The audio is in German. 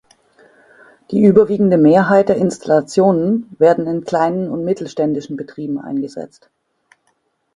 Die überwiegende Mehrheit der Installationen werden in kleinen und mittelständischen Betrieben eingesetzt.